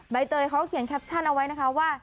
เตยเขาเขียนแคปชั่นเอาไว้นะคะว่า